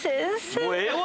もうええわ！